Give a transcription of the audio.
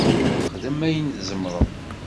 Xdem ayen i tzemreḍ.